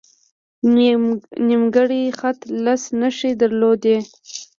نیمګړی خط لس نښې درلودې.